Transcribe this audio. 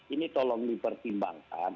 ini tolong dipertimbangkan